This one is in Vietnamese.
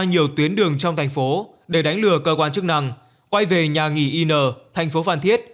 nhiều tuyến đường trong thành phố để đánh lừa cơ quan chức năng quay về nhà nghỉ in thành phố phan thiết